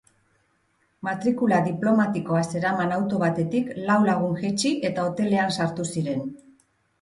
Matrikula diplomatikoa zeraman auto batetik lau lagun jaitsi, eta hotelean sartu ziren.